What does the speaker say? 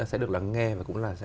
sẽ được lắng nghe và cũng là